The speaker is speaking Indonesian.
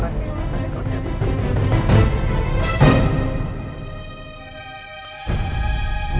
masih minum barang k seats